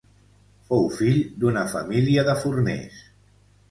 Fou fill d'una família de forners.